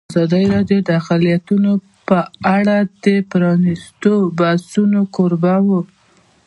ازادي راډیو د اقلیتونه په اړه د پرانیستو بحثونو کوربه وه.